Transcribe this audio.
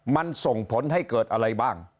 มันส่งผลให้เกิดอะไรบ้าง